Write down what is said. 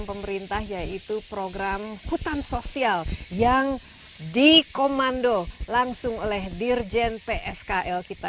dan program pemerintah yaitu program hutan sosial yang dikomando langsung oleh dirjen pskl kita